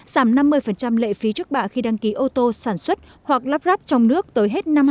giảm năm mươi lệ phí trước bạ khi đăng ký ô tô sản xuất hoặc lắp ráp trong nước tới hết năm hai nghìn hai mươi